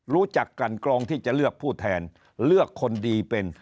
รู้จักกันกรองที่จะเลือกผู้แทนเลือกคนดีเป็น